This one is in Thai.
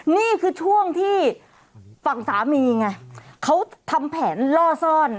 นี่คือช่วงที่ฝั่งสามีไงเขาทำแผนล่อซ่อน